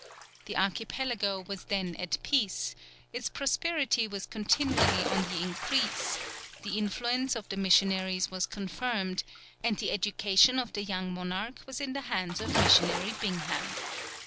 The archipelago was then at peace, its prosperity was continually on the increase, the influence of the missionaries was confirmed, and the education of the young monarch was in the hands of Missionary Bingham.